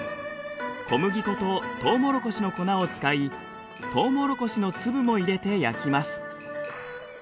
小麦粉とトウモロコシの粉を使いトウモロコシの粒も入れて焼きます。